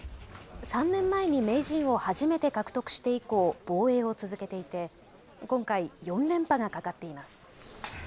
３年前に名人を初めて獲得して以降、防衛を続けていて今回、４連覇がかかっています。